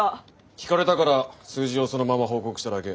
聞かれたから数字をそのまま報告しただけ。